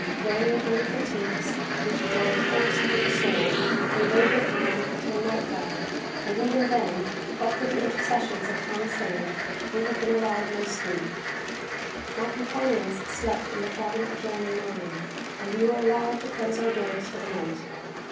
Groaning under fatigues, which were enforced with the sword, they laboured on till night fall, and even then, but for the intercessions of Than Sing, would have been allowed no sleep. My companions slept in the cabin adjoining mine, and we were allowed to close our doors for the night.